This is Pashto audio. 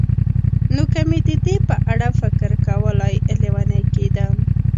نو که مې د دې په اړه فکر کولای، لېونی کېدم.